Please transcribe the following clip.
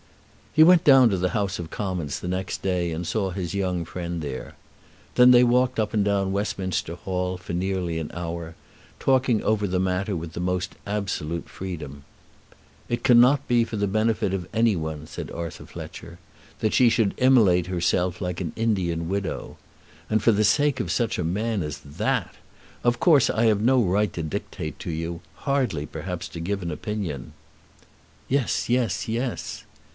He went down to the House of Commons the next day, and saw his young friend there. Then they walked up and down Westminster Hall for nearly an hour, talking over the matter with the most absolute freedom. "It cannot be for the benefit of any one," said Arthur Fletcher, "that she should immolate herself like an Indian widow, and for the sake of such a man as that! Of course I have no right to dictate to you, hardly, perhaps, to give an opinion." "Yes, yes, yes."